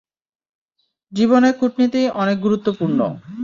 জীবনে, কূটনীতি অনেক গুরুত্বপূর্ণ।